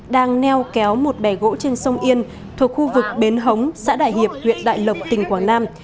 đang neo kéo một bè gỗ trên sông yên thuộc khu vực bến hống xã đại hiệp huyện đại lộc tỉnh quảng nam